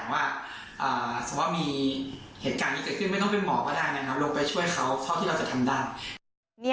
ลงไปช่วยเขาเพราะที่เราจะทำได้